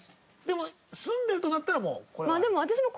でも住んでるとなったらもうこれは。